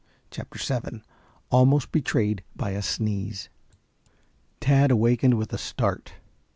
CHAPTER VII ALMOST BETRAYED BY A SNEEZE Tad awakened with a start.